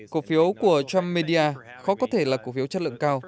cổ phiếu của trump media khó có thể là cổ phiếu chất lượng cao